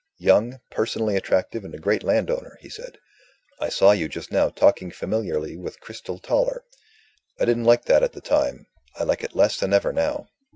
"Young, personally attractive, and a great landowner," he said. "I saw you just now talking familiarly with Cristel Toller. I didn't like that at the time; I like it less than ever now."